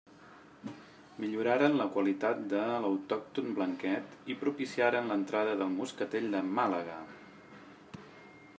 Milloraren la qualitat de l'autòcton blanquet i propiciaren l'entrada del moscatell de Màlaga.